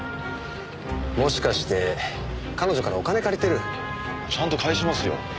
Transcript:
もしかして彼女からお金借りてる？ちゃんと返しますよ。